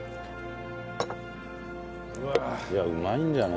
いやうまいんじゃない？